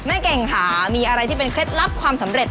เก่งค่ะมีอะไรที่เป็นเคล็ดลับความสำเร็จ